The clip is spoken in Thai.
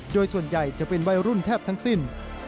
โดยส่วนใหญ่จะเป็นวัยรุ่นแทบทั้งสิ้น